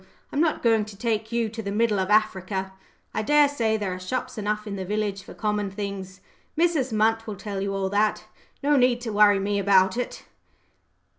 I'm not going to take you to the middle of Africa. I dare say there are shops enough in the village for common things. Mrs. Munt will tell you all that. No need to worry me about it."